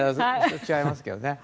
違いますけど。